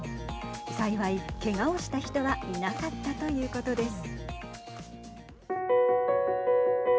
幸い、けがをした人はいなかったということです。